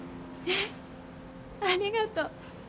えっありがとう。